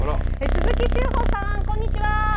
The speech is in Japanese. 鈴木秀峰さんこんにちは。